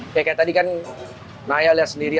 kayak tadi kan naya lihat sendiri